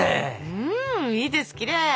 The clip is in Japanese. うんいいですきれい！